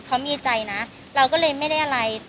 เขามีใจนะเราก็เลยไม่ได้อะไร